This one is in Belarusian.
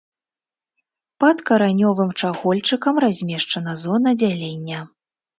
Пад каранёвым чахольчыкам размешчана зона дзялення.